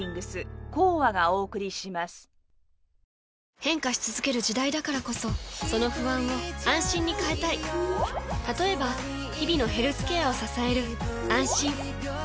変化し続ける時代だからこそその不安を「あんしん」に変えたい例えば日々のヘルスケアを支える「あんしん」